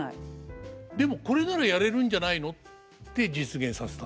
でもこれならやれるんじゃないのって実現させた。